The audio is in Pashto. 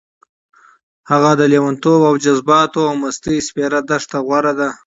هغه د لېونتوب او جذباتو او مستۍ سپېره دښته غوره ده.